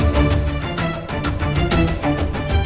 kamu hari sandial oregon aick